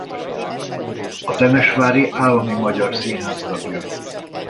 A Temesvári Állami Magyar Színház tagja.